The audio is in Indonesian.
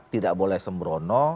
tidak boleh sembrono